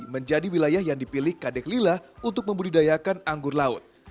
menjadi wilayah yang dipilih kadek lila untuk membudidayakan anggur laut